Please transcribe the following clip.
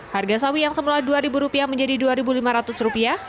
harga sawi yang semula rp dua menjadi rp dua lima ratus